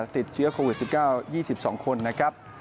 ติดเชื้อโควิด๑๙ยี่สิบสองคนนะครับ